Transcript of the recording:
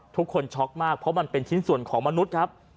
ช็อกมากเพราะมันเป็นชิ้นส่วนของมนุษย์ครับ